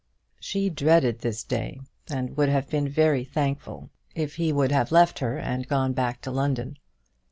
She dreaded this day, and would have been very thankful if he would have left her and gone back to London.